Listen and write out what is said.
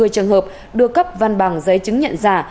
hai trăm một mươi trường hợp được cấp văn bằng giấy chứng nhận giả